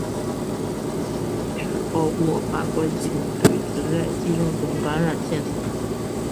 此机制包括感官系统对存在寄生虫感染线索。